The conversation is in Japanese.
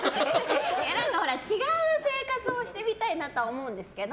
違う生活をしてみたいなとは思うんですけど。